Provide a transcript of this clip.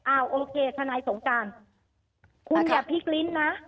อ่าวโอเคธนายสงการคุณเนี่ยพิกลิ้นนะ